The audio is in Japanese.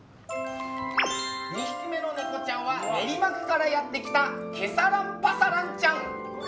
２匹目のネコちゃんは練馬区からやってきたケサランパサランちゃん。